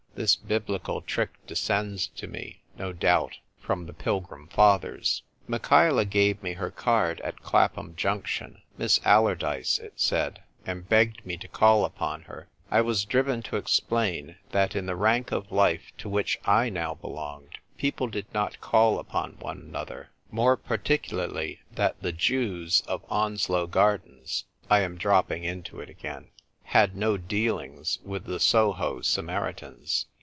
(This Biblical trick descends to me, no doubt, from the Pilgrim Fathers.) Michaela gave me her card at Clapham Junction — "Miss Allardyce" it said — and begged me to call upon her. I was driven to explain that in the rank of life to which I now belonged people did not call upon one another; more particularly that the Jews of I PLAY CARMEN. IO3 Onslow Gardens (I am dropping into it again) had no dealings with the Soho Samaritans.